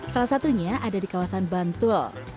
salah satunya ada di kawasan bantul